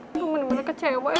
kau bener bener kecewa ya